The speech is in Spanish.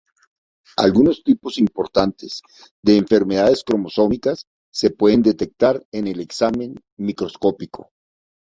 Algunos tipos importantes de enfermedades cromosómicas se pueden detectar en el examen microscópico.